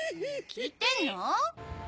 聞いてんの？